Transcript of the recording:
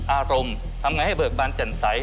อารมณ์ทำไงให้เบิกบานแจ่มใส